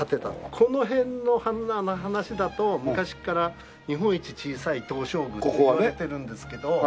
この辺の話だと昔から日本一小さい東照宮って言われてるんですけど。